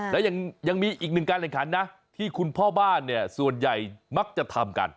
และยังมีอีกหนึ่งการแข่งขันนะที่คุณพ่อบ้านเนี่ยส่วนใหญ่มักจะทำกัน